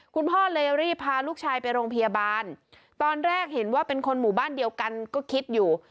คุณพ่อเลยรีบพาลูกชายไปโรงพยาบาลตอนแรกเห็นว่าเป็นคนหมู่บ้านเดียวกันก็คิดอยู่